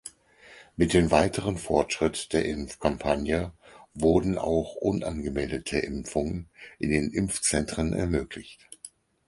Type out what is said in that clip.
Mit weiterem Fortschritt der Impfkampagne wurden auch unangemeldete Impfungen in den Impfzentren ermöglicht.